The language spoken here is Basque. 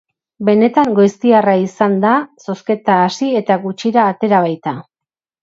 Benetan goiztiarra izan da, zozketa hasi eta gutxira atera baita.